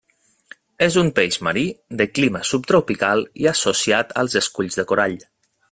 És un peix marí de clima subtropical i associat als esculls de corall.